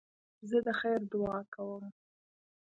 زه د خیر دؤعا کوم.